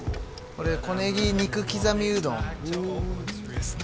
これ小ねぎ肉きざみうどんですね